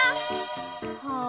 はあ。